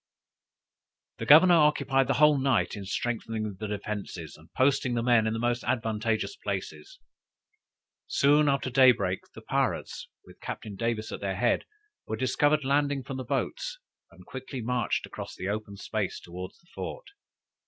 _] The governor occupied the whole night in strengthening the defences and posting the men in the most advantageous places. Soon after day break, the pirates, with Captain Davis at their head were discovered landing from the boats; and quickly marched across the open space toward the fort.